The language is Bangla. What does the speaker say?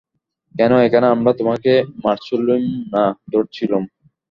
কেন, এখানে আমরা তোমাকে মারছিলুম না ধরছিলুম।